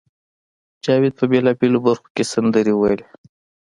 جاوید په بېلابېلو برخو کې سندرې وویلې